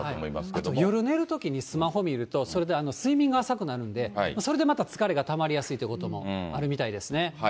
あと夜寝るときにスマホ見ると、それで睡眠が浅くなるんで、それでまた疲れがたまりやすいなんてこともあるみたいですね。